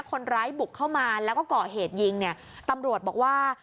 คนร้ายบุกเข้ามาแล้วก็ก่อเหตุยิงเนี่ยตำรวจบอกว่า